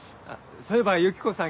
そういえばユキコさん